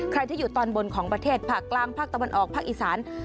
ใครที่อยู่ตอนบนของประเทศภาคกลางภาคตะวันออกภาคอีสาน